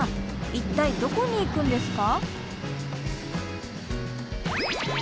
一体どこに行くんですか？